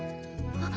あっ！